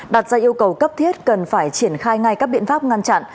đặt ra yêu cầu cấp thiết cần phải triển khai ngay các biện pháp ngăn chặn